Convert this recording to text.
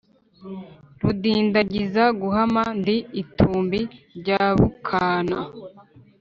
Rudindagiza guhama, ndi itumbi rya bukana,